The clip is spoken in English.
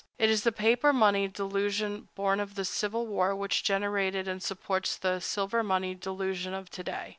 It is the paper money delusion born of the civil war which generated and supports the silver money delusion of to day.